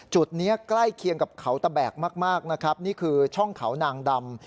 จุดนี้ใกล้เคียงกับเขาตะแบกมากนะครับนี่คือช่องเขานางดำ